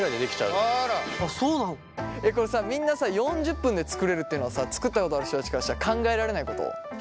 これさみんなさ４０分で作れるっていうのはさ作ったことある人たちからしたら考えられないこと？